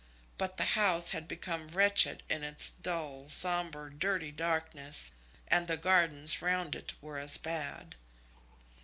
But the house had become wretched in its dull, sombre, dirty darkness, and the gardens round it were as bad.